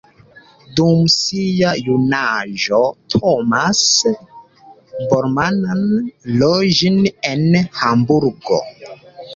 Dum sia junaĝo Thomas Bormann loĝis en Hamburgo.